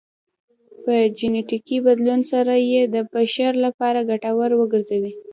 په جنیټیکي بدلون سره یې د بشر لپاره ګټور وګرځوي